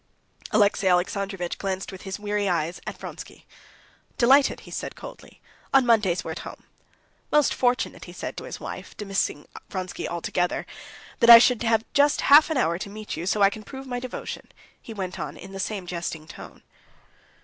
Alexey Alexandrovitch glanced with his weary eyes at Vronsky. "Delighted," he said coldly. "On Mondays we're at home. Most fortunate," he said to his wife, dismissing Vronsky altogether, "that I should just have half an hour to meet you, so that I can prove my devotion," he went on in the same jesting tone.